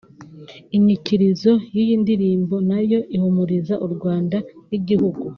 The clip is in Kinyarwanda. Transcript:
Inyikirizo y’iyi ndirimbo nayo ihumuriza u Rwanda nk’igihugu